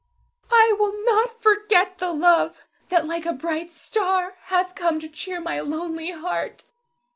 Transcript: I will not forget the love that like a bright star hath come to cheer my lonely heart.